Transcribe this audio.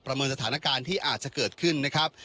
เมินสถานการณ์ที่อาจจะเกิดขึ้นนะครับ